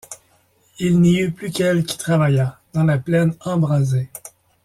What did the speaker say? Il n’y eut plus qu’elle qui travaillât, dans la plaine embrasée.